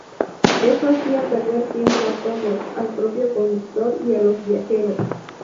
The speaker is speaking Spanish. Eso hacía perder tiempo a todos, al propio conductor y a los viajeros.